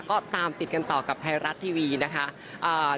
ก็ตามติดกันต่อกับไทยรัฐทีวีนะคะ